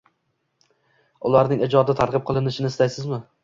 Uiarning ijodi targ‘ib qilinishini istaysizmi.